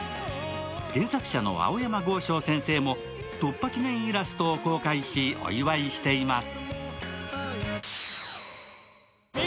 原作者の青山剛昌先生も突破記念イラストを公開し、お祝いしています。